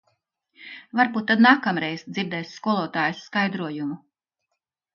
Varbūt tad nākamreiz dzirdēs skolotājas skaidrojumu.